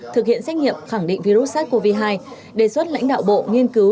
thực hiện xét nghiệm khẳng định virus sars cov hai đề xuất lãnh đạo bộ nghiên cứu